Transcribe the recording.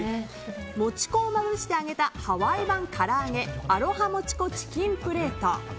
もち粉をまぶして揚げたハワイ版から揚げアロハモチコチキンプレート。